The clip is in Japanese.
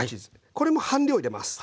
これも半量入れます。